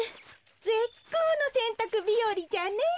ぜっこうのせんたくびよりじゃねえ。